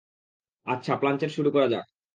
আচ্ছা, প্লানচেট শুরু করা যাক।